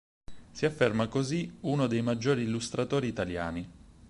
Si afferma così come uno dei maggiori illustratori italiani.